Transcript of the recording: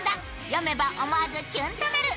「読めば思わずキュンとなる！